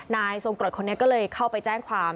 นายทรงกรดคนนี้ก็เลยเข้าไปแจ้งความ